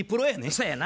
そやな。